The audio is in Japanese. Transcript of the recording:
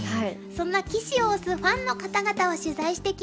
そんな棋士を推すファンの方々を取材してきました。